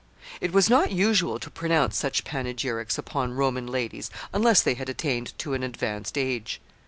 It was not usual to pronounce such panegyrics upon Roman ladies unless they had attained to an advanced age.